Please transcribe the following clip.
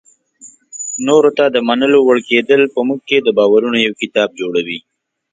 نورو ته د منلو وړ کېدل په موږ کې د باورونو یو کتاب جوړوي.